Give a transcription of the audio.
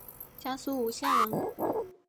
江苏吴县人。